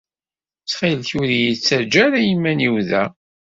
Ttxil ur iyi-ttaǧǧa ara iman-iw da.